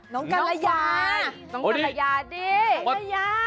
น้องกัลยาน้องกัลยาดิน้องกัลยา